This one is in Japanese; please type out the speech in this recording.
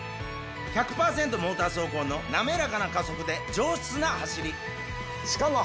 モーター走行の滑らかな加速で上質な走りしかも。